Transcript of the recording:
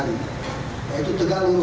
berita berita yang tidak perlu